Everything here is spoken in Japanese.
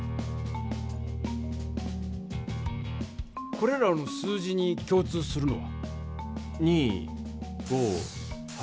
これらの数字にきょう通するのは？